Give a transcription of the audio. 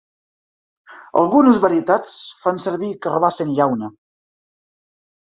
Algunes varietats fan servir carbassa en llauna.